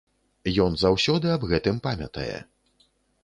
Ён заўсёды аб гэтым памятае.